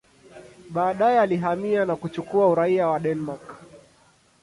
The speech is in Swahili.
Baadaye alihamia na kuchukua uraia wa Denmark.